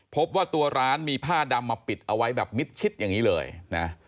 พบว่าตัวร้านมีผ้าดำมาปิดเอาไว้แบบมิดชิดอย่างนี้เลยนะ